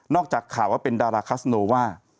จากข่าวว่าเป็นดาราคัสโนว่า